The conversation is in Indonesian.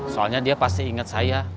soalnya dia pasti ingat saya